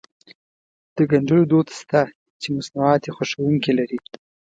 د ګنډلو دود شته چې مصنوعات يې خوښوونکي لري.